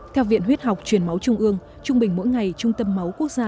theo viện huyết học truyền máu trung ương trung bình mỗi ngày trung tâm máu quốc gia